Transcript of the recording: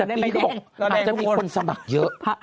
แต่ปี๖จะมีคนสมัครเยอะ